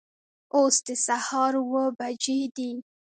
اوس د سهار اوه بجې دي